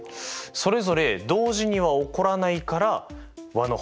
それぞれ同時には起こらないから和の法則が成り立つと。